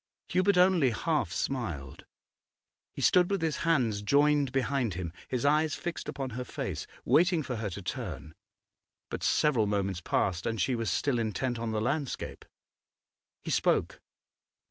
Hubert only half smiled; he stood with his hands joined behind him, his eyes fixed upon her face, waiting for her to turn But several moments passed and she was still intent on the landscape. He spoke.